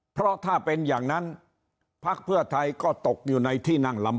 เพราะถ้าเป็นอย่างนั้นพักเพื่อไทยก็ตกอยู่ในที่นั่งลำ